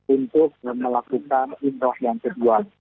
untuk melakukan imrah yang kedua